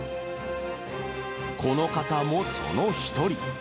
この方もその一人。